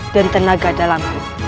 dan tenaga dalamku